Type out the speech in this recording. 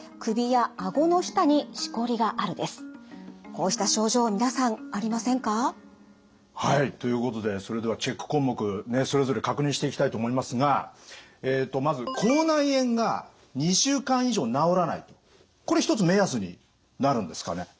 こうした症状皆さんありませんか？ということでそれではチェック項目それぞれ確認していきたいと思いますがまずこれ一つ目安になるんですかね？